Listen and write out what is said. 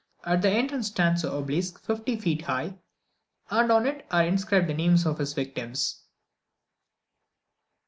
At the entrance stands an obelisk fifty feet high, and on it are inscribed the names of his victims.